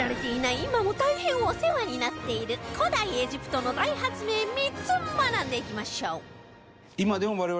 今も大変お世話になっている古代エジプトの大発明３つ学んでいきましょう